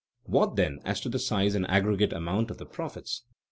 What, then, as to the size and aggregate amount of the profits?